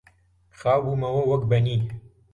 خاو بوومەوە وەک بەنی